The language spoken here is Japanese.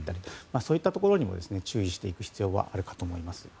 そういったところにも注意していく必要はあると思います。